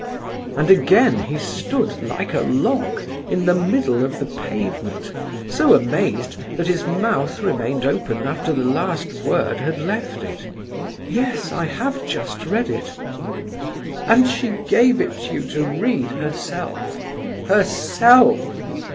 And again he stood like a log in the middle of the pavement; so amazed that his mouth remained open after the last word had left it. "Yes, I have just read it." "And she gave it you to read herself—_herself?